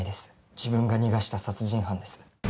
自分が逃がした殺人犯です。